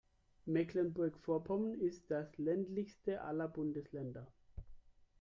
Mecklenburg-Vorpommern ist das ländlichste aller Bundesländer.